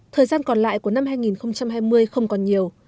thời gian còn lại của năm hai nghìn hai mươi không còn nhiều